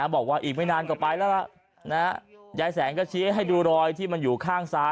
บอกว่าอีกไม่นานก็ไปแล้วล่ะยายแสงก็ชี้ให้ดูรอยที่มันอยู่ข้างซ้าย